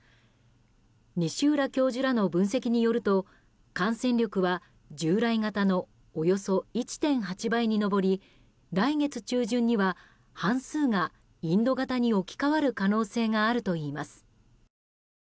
西浦教授らの分析によると感染力は従来型のおよそ１．８倍に上り来月中旬には、半数がインド型に置き換わる可能性があるといいます。